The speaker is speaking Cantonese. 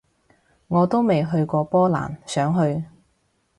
我都未去過波蘭，想去